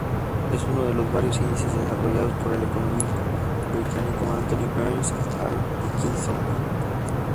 Es uno de los varios índices desarrollados por el economista británico Anthony Barnes Atkinson.